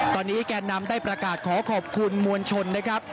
ตอนนี้แกนนำได้ประกาศขอขอบคุณมวลชนนะครับ